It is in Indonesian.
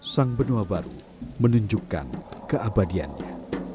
sang benua baru menunjukkan keabadiannya